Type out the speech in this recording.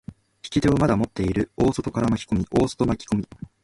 引き手をまだ持っている大外から巻き込み、大外巻き込み。